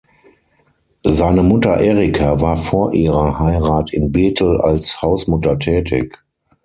Seine Mutter Erika war vor ihrer Heirat in Bethel als Hausmutter tätig.